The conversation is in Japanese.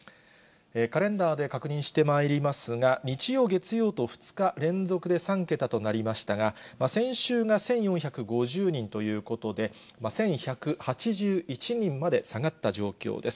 カレンダーで確認してまいりますが、日曜、月曜と２日連続で３桁となりましたが、先週が１４５０人ということで、１１８１人まで下がった状況です。